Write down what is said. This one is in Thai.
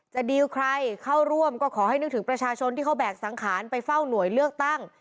ดีลใครเข้าร่วมก็ขอให้นึกถึงประชาชนที่เขาแบกสังขารไปเฝ้าหน่วยเลือกตั้ง